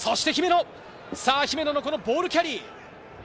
姫野のボールキャリー。